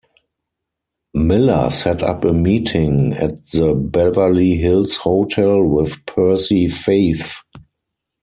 Miller set up a meeting at the Beverly Hills Hotel with Percy Faith.